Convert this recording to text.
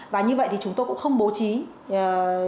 và như vậy thì chúng tôi cũng không bố trí các cán bộ